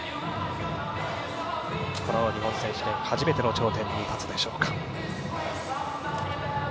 日本選手権初めての頂点に立つでしょうか。